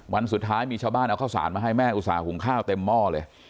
วันสุดท้ายมีชาวบ้านเอาข้าวสารมาให้แม่อุตส่าหุงข้าวเต็มหม้อเลย